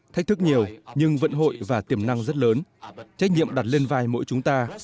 thách thức nhiều nhưng vận hội và tiềm năng rất lớn trách nhiệm đặt lên vai mỗi chúng ta